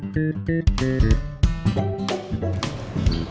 terima kasih ya